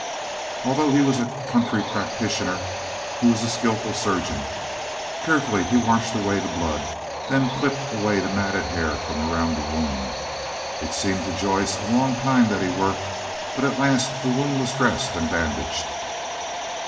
Although he was a country practitioner, he was a skilful surgeon. Carefully he washed away the blood, then clipped away the matted hair from around the wound. It seemed to Joyce a long time that he worked, but at last the wound was dressed and bandaged.